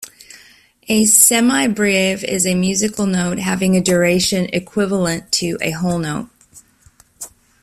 A semibrieve is a musical note having a duration equivalent to a whole note